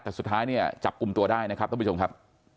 แต่สุดท้ายจับกลุ่มตัวได้นะครับต้องไปชมครับ